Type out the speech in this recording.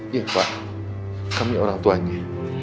iya pak kami orang tuanya